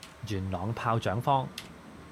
元朗炮仗坊